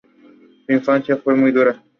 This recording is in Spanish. Su infancia fue muy dura.